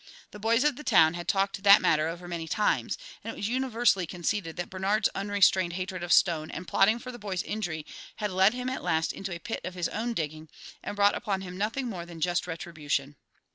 The boys of the town had talked that matter over many times, and it was universally conceded that Bernard's unrestrained hatred of Stone and plotting for the boy's injury had led him at last into a pit of his own digging and brought upon him nothing more than just retribution.